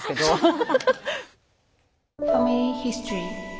ハハハハハ。